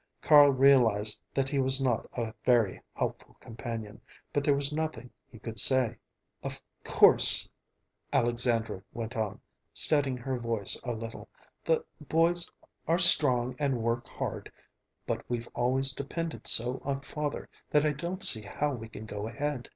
Carl realized that he was not a very helpful companion, but there was nothing he could say. "Of course," Alexandra went on, steadying her voice a little, "the boys are strong and work hard, but we've always depended so on father that I don't see how we can go ahead.